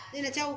đây là châu